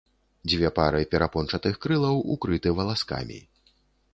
Дзве пары перапончатых крылаў укрыты валаскамі.